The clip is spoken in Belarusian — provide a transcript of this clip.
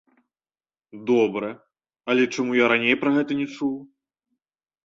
Добра, але чаму я раней пра гэта не чуў?